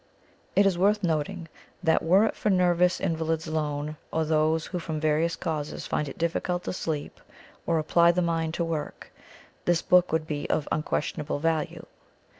It is worth noting that, were it for nervous invalids alone, or those who from various causes find it difficult to sleep, or apply the mind to work, this book would be of unquestionable value.